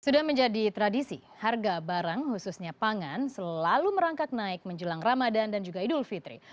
sudah menjadi tradisi harga barang khususnya pangan selalu merangkak naik menjelang ramadan dan juga idul fitri